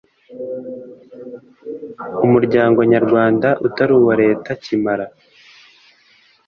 umuryango nyarwanda utari uwa Leta kimara